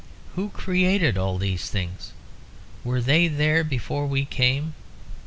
Who created all these things? Were they there before we came?